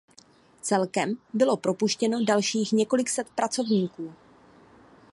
Celkem bylo propuštěno dalších několik set pracovníků.